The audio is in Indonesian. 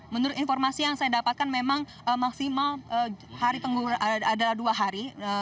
menurut informasi yang saya dapatkan memang maksimal hari minggu adalah dua hari